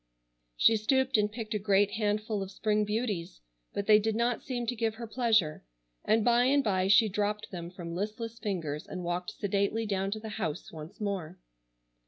She stooped and picked a great handful of spring beauties, but they did not seem to give her pleasure, and by and by she dropped them from listless fingers and walked sedately down to the house once more.